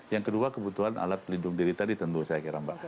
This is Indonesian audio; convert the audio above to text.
yang kedua kebutuhan alat pelindung diri tadi tentu saya kira mbak